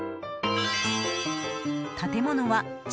建物は築